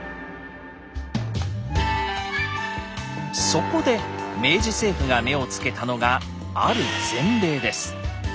そこで明治政府が目をつけたのが「ある前例」です。